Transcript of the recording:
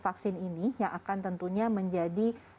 vaksin ini yang akan tentunya menjadi